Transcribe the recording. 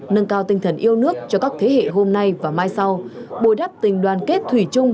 nâng cao tinh thần yêu nước cho các thế hệ hôm nay và mai sau bồi đắp tình đoàn kết thủy chung